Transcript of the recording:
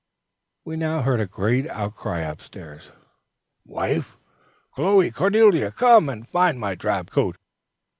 We now heard a great outcry up stairs. "Wife! Chloe! Cornelia! come and find my drab coat!"